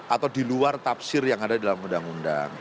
atau di luar tafsir yang ada dalam undang undang